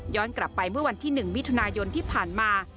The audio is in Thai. กลับไปเมื่อวันที่๑มิถุนายนที่ผ่านมา